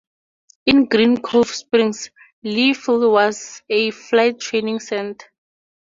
In Green Cove Springs, Lee Field was a flight training center.